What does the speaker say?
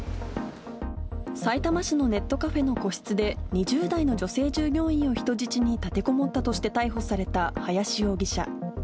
さいたま市のネットカフェの個室で、２０代の女性従業員を人質に立てこもったとして逮捕された林容疑者。